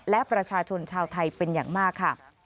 และประชาชนชาวไทยเป็นอย่างมากค่ะ